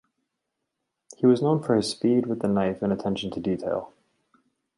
He was known for his speed with the knife and attention to detail.